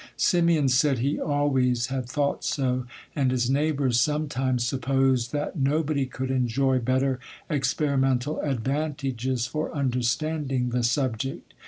Simeon said he always had thought so; and his neighbours sometimes supposed that nobody could enjoy better experimental advantages for understanding the subject.